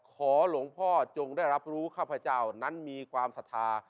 ขอหลวงพ่อจงได้รับรู้ข้าพเจ้านั้นมีความศรัทธา